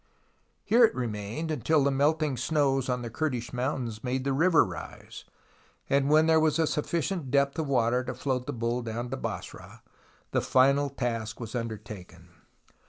Here it remained until the melting snows on the Kurdish mountains made the river rise, and when there was a sufficient depth of water to float the bull down to Basra, the final task was undertaken.